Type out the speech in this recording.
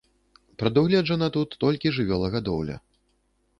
Прадугледжана тут толькі жывёлагадоўля.